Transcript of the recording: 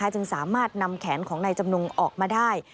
จึงสามารถนำแขนของนายจำนงออกมาได้